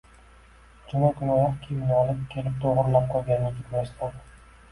juma kuni oyoq kiyimini olib kelib to'g'rilab qo'ygan yigitni esladi.